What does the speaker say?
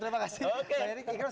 terima kasih pak yandri